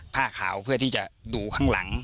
ผ้าขาวเพื่อที่จะดูข้างหลัง